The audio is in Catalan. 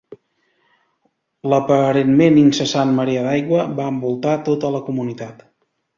L'aparentment incessant marea d'aigua va envoltar tota la comunitat.